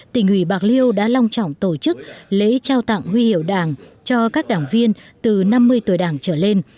tỉnh ủy bạc liêu đã long trọng tổ chức lễ trao tặng huy hiệu đảng cho các đảng viên từ năm mươi tuổi đảng trở lên